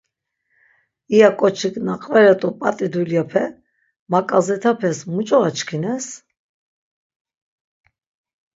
İya ǩoçik na qveret̆u p̌at̆i dulyape maǩazetapes muç̌o açkines?.